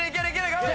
頑張れ！